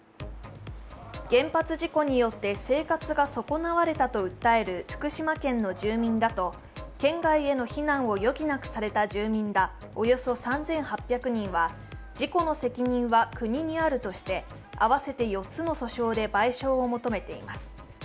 原発事故によって生活が損なわれたと訴える福島県の住民らと県外への避難を余儀なくされた住民らおよそ３８００人は自己の責任は国にあるとして合わせて４つの訴訟で賠償を求めています。